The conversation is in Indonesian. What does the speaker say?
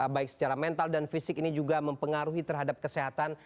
baik secara mental dan fisik ini juga mempengaruhi terhadap kesehatan